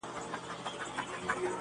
که محشر نه دی نو څه دی.!